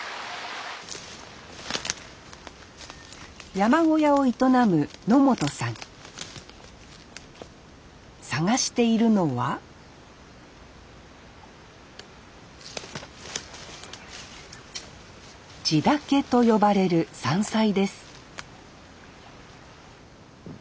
山小屋を営む野本さん探しているのはジダケと呼ばれる山菜です